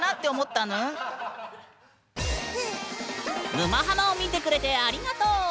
「沼ハマ」を見てくれてありがとう！